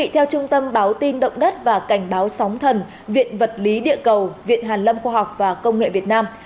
theo trung tâm báo tin động đất và cảnh báo sóng thần viện vật lý địa cầu viện hàn lâm khoa học và công nghệ việt nam